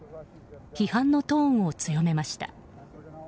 批判のトーンを強めました。